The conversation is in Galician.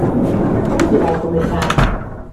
Por onde vai comezar?